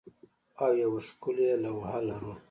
او یوه ښکلې لوحه لرو